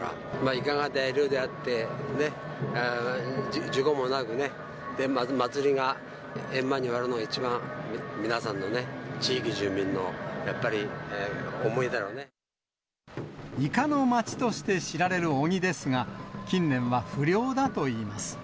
イカが大漁であって、事故もなくね、祭りが円満に終わるのが一番、皆さんのね、地域住民の、やっぱイカの町として知られる小木ですが、近年は不漁だといいます。